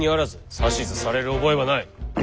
指図される覚えはない。